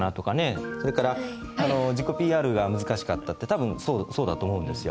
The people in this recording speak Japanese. それから自己ＰＲが難しかったって多分そうだと思うんですよ。